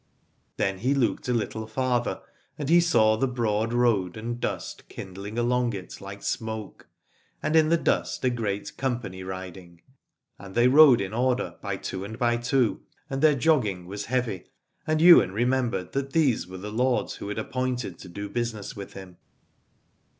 Then he looked a little farther, and he saw the broad road, and dust kindling along it like smoke, and in the dust a great company riding : and they rode in order by two and by two, and their jogging was heavy, and Ywain remembered that these were the lords who had appointed to do business with him.